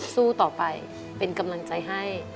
สู้ต่อไปเป็นกำลังใจให้